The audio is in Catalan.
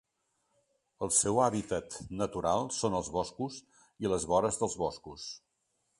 El seu hàbitat natural són els boscos i les vores dels boscos.